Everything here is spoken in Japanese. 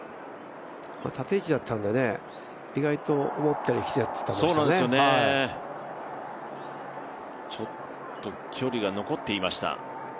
縦位置だったんで、意外と思ったよりちょっと距離が残っていました、